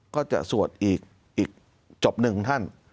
ก็จะสวดอีกจบหนึ่งท่าน